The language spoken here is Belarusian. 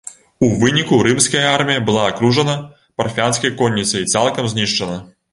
У выніку рымская армія была акружана парфянскай конніцай і цалкам знішчана.